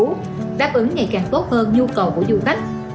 đáp ứng ngày càng tốt hơn nhu cầu của du khách